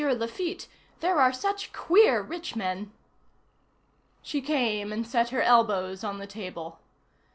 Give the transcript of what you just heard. Laffitte; there are such queer rich men!" She came and set her elbows on the table.